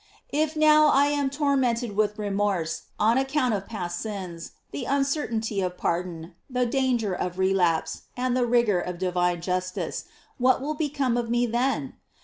If now I am tormented with remorse on account of past sins, the uncertainty of pardon, the danger of relapse, and the rigor of divine jus tice, what will become of me then?